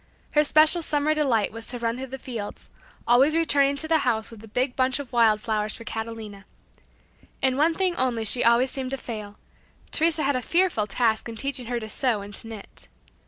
Her special summer delight was to run through the fields, always returning to the house with a big bunch of wild flowers for Catalina. In one thing only she always seemed to fail. Teresa had a fearful task in teaching her to sew and to knit.